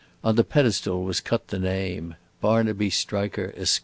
On the pedestal was cut the name Barnaby Striker, Esq.